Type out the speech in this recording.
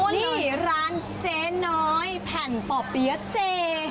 นี่ร้านเจ๊น้อยแผ่นป่อเปี๊ยะเจ